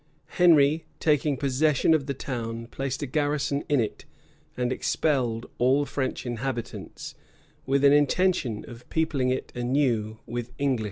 Henry, taking possession of the town, placed a garrison in it, and expelled all the French inhabitants, with an intention of peopling it anew with English.